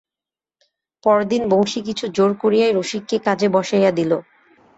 পরদিন বংশী কিছু জোর করিয়াই রসিককে কাজে বসাইয়া দিল।